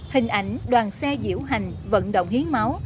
hình ảnh đoàn xe diễu hành vận động hiến máu